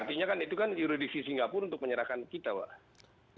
itu kan juridiksi singapura untuk menyerahkan kita pak